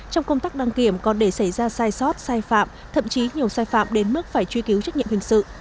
trong công tác đăng kiểm còn để xảy ra sai sót sai phạm thậm chí nhiều sai phạm đến mức phải truy cứu trách nhiệm hình sự